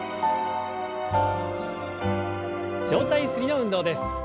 上体ゆすりの運動です。